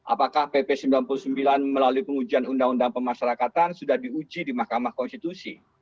apakah pp sembilan puluh sembilan melalui pengujian undang undang pemasarakatan sudah diuji di mahkamah konstitusi